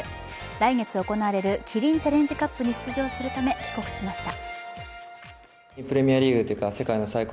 来月行われるキリンチャレンジカップに出場するため帰国しました。